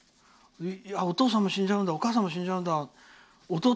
お父さんも死んじゃうんだお母さんも死んじゃうんだ。